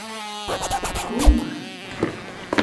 Ho mar.